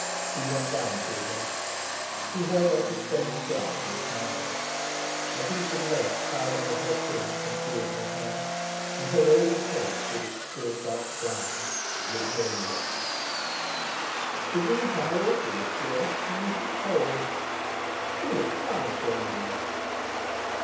He went down to her. She held up a stained glove and smiled. A piece of lace tied under her chin concealed her hair, and her oval face with its still dark brows looked very young. "The green fly are awful this year, and yet it's cold. You look tired, Jolyon."